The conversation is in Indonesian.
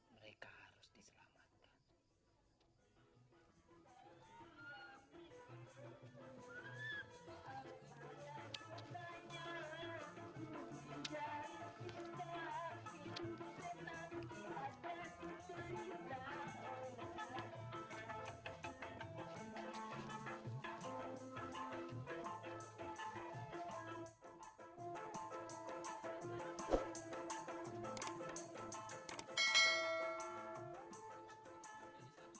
mereka harus diselamatkan